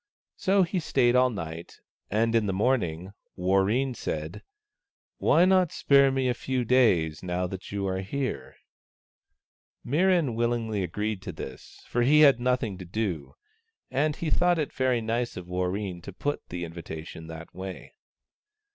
So he stayed all night, and in the morning Warreen said, " Why not spare me a few days, now that you are here ?" Mirran willingly agreed to this, for he had nothing to do, and he thought it very nice of Warreen to put the invitation that way.